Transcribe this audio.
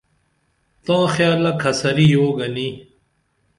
تاں خیالہ کھسَری یو گنی